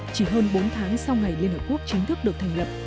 chỉ hơn bốn tháng sau ngày liên hợp quốc chính thức được thành lập